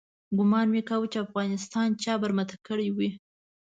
ګومان مې کاوه چې افغانستان چا برمته کړی وي.